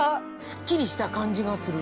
すっきりした感じがする。